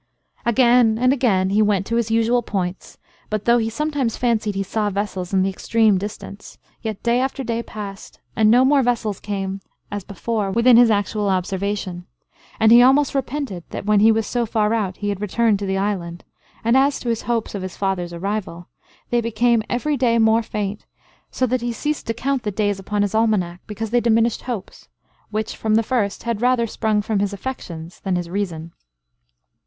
Again and again, he went to his usual points; but though he sometimes fancied he saw vessels in the extreme distance, yet day after day passed, and no more vessels came, as before, within his actual observation; and he almost repented, that when he was so far out, he had returned to the island; and as to his hopes of his father's arrival, they became every day more faint; so that he ceased to count the days upon his almanack, because they diminished hopes, which, from the first, had rather sprung from his affections than his reason.